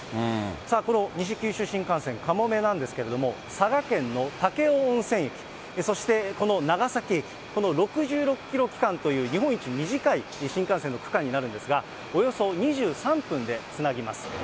さあこの西九州新幹線かもめなんですけれども、佐賀県の武雄温泉駅、そしてこの長崎駅、この６６キロ区間という日本一短い新幹線の区間になるんですが、およそ２３分でつなぎます。